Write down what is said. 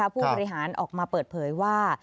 ผู้บริหารออกมาเปิดเผยว่า